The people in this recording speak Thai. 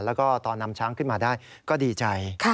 แล้วก็ตอนนำช้างขึ้นมาได้ก็ดีใจ